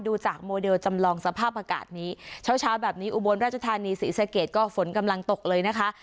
ดูจากโมเดลจำลองสภาพอากาศนี้เช้าเช้าแบบนี้อุบลราชธานีศรีสะเกดก็ฝนกำลังตกเลยนะคะ